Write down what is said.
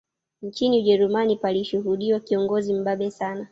Nchini Ujerumani palishuhudiwa kiongozi mbabe sana